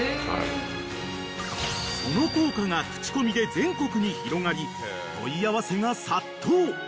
［その効果が口コミで全国に広がり問い合わせが殺到］